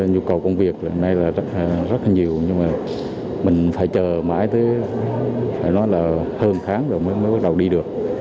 nhiều cầu công việc lần này là rất là nhiều nhưng mà mình phải chờ mãi tới phải nói là hơn tháng rồi mới bắt đầu đi được